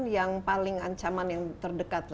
yang paling ancaman yang terdekat